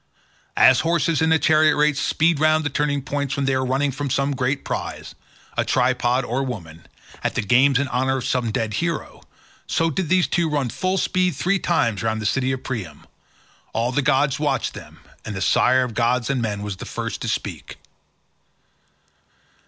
As horses in a chariot race speed round the turning posts when they are running for some great prize—a tripod or woman—at the games in honour of some dead hero, so did these two run full speed three times round the city of Priam. All the gods watched them, and the sire of gods and men was the first to speak.